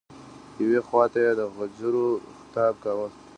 یوې خواته یې د غجرو خطاب کاوه.